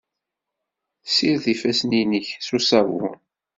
Ssired ifassen-nnek s uṣabun.